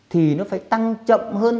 thì nó phải tăng chậm hơn